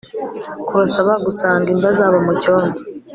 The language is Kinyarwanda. Kubasaba gusanga imva zabo mucyondo